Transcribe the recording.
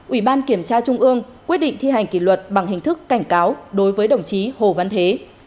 ủy ban kiểm tra trung ương quyết định thi hành kỷ luật bằng hình thức cảnh cáo đối với đồng chí hồ văn thế